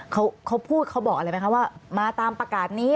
เขาพูดเขาบอกอะไรไหมคะว่ามาตามประกาศนี้